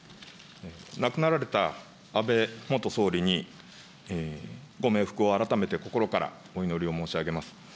亡くなられた安倍元総理に、ご冥福を改めて心からお祈りを申し上げます。